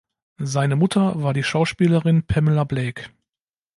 Seine Mutter war die Schauspielerin Pamela Blake.